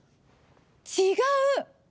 違う。